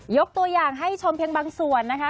ยกตัวอย่างให้ชมเพียงบางส่วนนะคะ